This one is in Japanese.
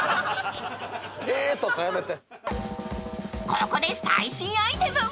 ［ここで最新アイテム］